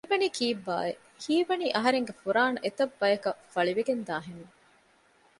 މިވަނީ ކީއްބާއެވެ؟ ހީވަނީ އަހަރެންގެ ފުރާނަ އެތައް ބަޔަކަށް ފަޅިވެގެންދާ ހެން